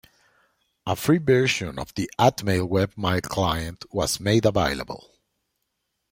A free version of the atmail webmail client was made available.